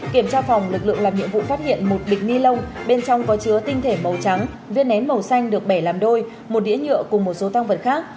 kiểm tra phòng lực lượng làm nhiệm vụ phát hiện một bịch ni lông bên trong có chứa tinh thể màu trắng viên nén màu xanh được bẻ làm đôi một đĩa nhựa cùng một số tăng vật khác